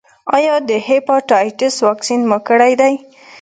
ایا د هیپاټایټس واکسین مو کړی دی؟